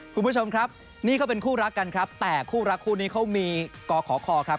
คุณผู้ชมครับนี่เขาเป็นคู่รักกันครับแต่คู่รักคู่นี้เขามีกขอคอครับ